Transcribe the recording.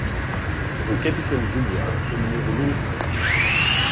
Rue Capitaine Julien au numéro mille un